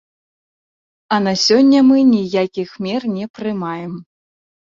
А на сёння мы ніякіх мер не прымаем.